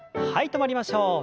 止まりましょう。